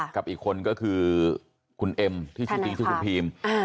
กับอีกคนก็คือคุณเอ็มที่ชื่อจริงชื่อคุณพีม